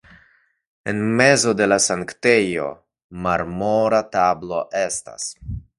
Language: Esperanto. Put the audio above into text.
En mezo de la sanktejo marmora tablo estas.